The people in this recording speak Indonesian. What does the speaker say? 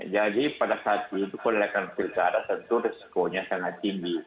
jadi pada saat itu kalau dilakukan pilkada tentu risikonya sangat tinggi